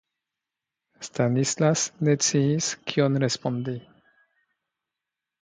Stanislas ne sciis, kion respondi.